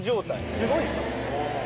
すごい人。